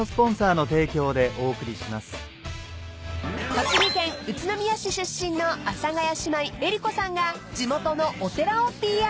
［栃木県宇都宮市出身の阿佐ヶ谷姉妹江里子さんが地元のお寺をＰＲ］